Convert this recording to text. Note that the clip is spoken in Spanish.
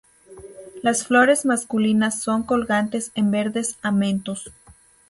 Las flores masculinas son colgantes en verdes amentos.